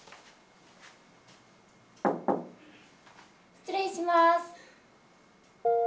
失礼します。